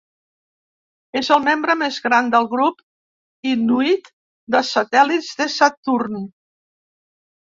És el membre més gran del grup inuit de satèl·lits de Saturn.